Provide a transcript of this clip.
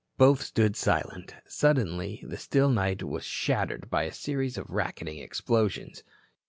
Both stood silent. Suddenly the still night was shattered by a series of racketing explosions.